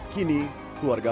kini keluarga pusat